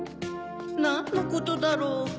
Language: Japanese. なんのことだろう？